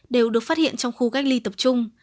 đều được phát hiện trong khu cách ly tập trung